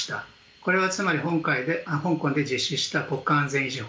これはつまり香港で実施した国家安全維持法